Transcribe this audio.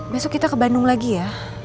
besok kita ke bandung lagi ya